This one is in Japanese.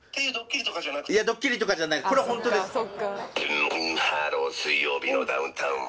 ☎ブンブンハロー「水曜日のダウンタウン」